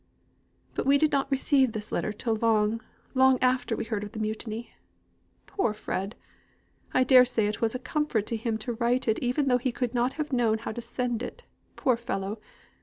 "But we did not receive this letter till long, long after we heard of the mutiny. Poor Fred! I dare say it was a comfort to him to write it, even though he could not have known how to send it, poor fellow!